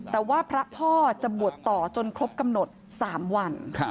แต่ว่าพระพ่อจะบวชต่อจนครบกำหนด๓วัน